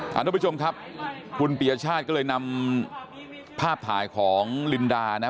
ทุกผู้ชมครับคุณปียชาติก็เลยนำภาพถ่ายของลินดานะ